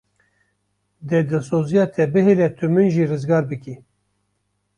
Dê dilzosiya te bihêle tu min jî rizgar bikî.